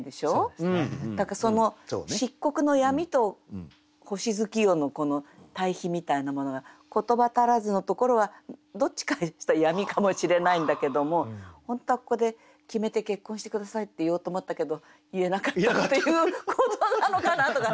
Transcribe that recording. だからその漆黒の闇と星月夜のこの対比みたいなものが「言葉足らず」のところはどっちかとしたら闇かもしれないんだけども本当はここで決めて「結婚して下さい」って言おうと思ったけど言えなかったっていうことなのかなとか。